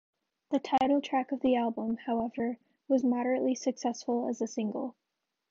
The title track of the album, however, was moderately successful as a single.